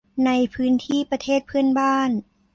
ในพื้นที่ประเทศเพื่อนบ้าน